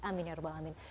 amin ya rabbal'alamin